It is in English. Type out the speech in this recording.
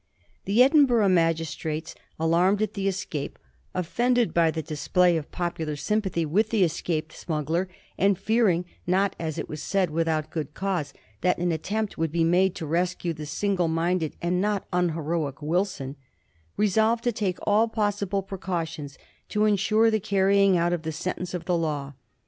The Edinburgh magistrates, alarmed at the escape, offended by the display of popular sympathy with the es caped smuggler, and fearing, not, as it was said, without good cause, that an attempt would be made to rescue the single minded and not unheroic Wilson, resolved to take all possible precautions to insure the canying out. of the sentence of the law.